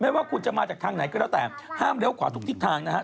ว่าคุณจะมาจากทางไหนก็แล้วแต่ห้ามเลี้ยวขวาทุกทิศทางนะฮะ